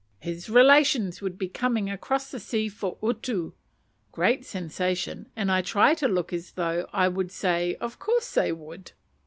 his relations would be coming across the sea for utu. (Great sensation, and I try to look as though I would say 'of course they would.')